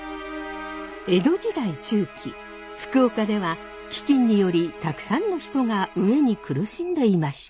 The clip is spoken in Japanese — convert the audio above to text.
江戸時代中期福岡では飢きんによりたくさんの人が飢えに苦しんでいました。